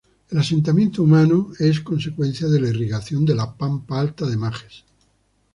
El asentamiento humano es consecuencia de la irrigación de la pampa alta de Majes.